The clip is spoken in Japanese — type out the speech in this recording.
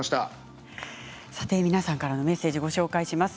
皆さんからのメッセージをご紹介します。